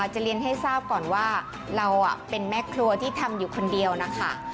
จะเรียนให้ทราบก่อนว่าเราเป็นแม่ครัวที่ทำอยู่คนเดียวนะคะ